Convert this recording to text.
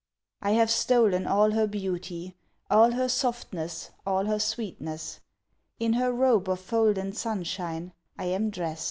I have stolen all her beauty, All her softness, all her sweetness; In her robe of folden sunshine I am drest.